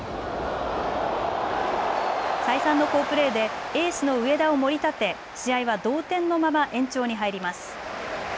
再三の好プレーでエースの上田をもり立て、試合は同点のまま延長に入ります。